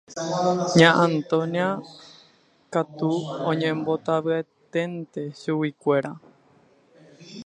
Ña Antonia katu oñembotavyeténte chuguikuéra.